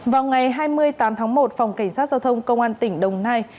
vào ngày hai mươi tám tháng một phòng cảnh sát giao thông công an tỉnh đồng nai